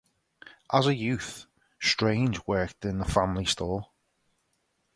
As a youth, Strange worked in the family store.